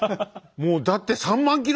もうだって３万キロ